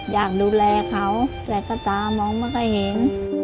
อยากดูแลเขาแต่ก็ตามองไม่ค่อยเห็น